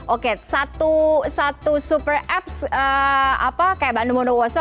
oke satu super apps kayak bandung bondowoso